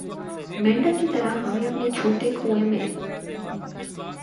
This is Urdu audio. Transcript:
مینڈک کی طرح ہمیں اپنے چھوٹے کنوئیں میں